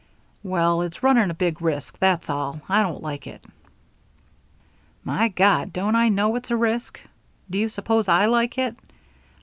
"Well, it's running a big risk, that's all. I don't like it." "My God, don't I know it's a risk! Do you suppose I like it?